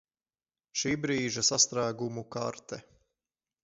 Šībrīža sastrēgumu karte